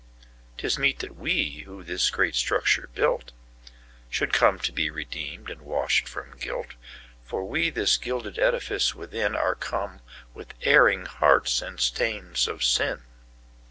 'Tis meet that we, who this great structure built, Should come to be redeemed and washed from guilt, For we this gilded edifice withinAre come, with erring hearts and stains of sin.